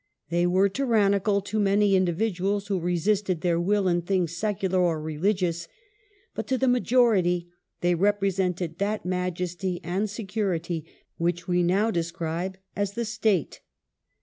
They were tyrannical to many individuals who resisted their will in things secular or religious, but to the majority they represented that majesty and security which we now describe as the "State".